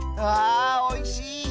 あおいしい。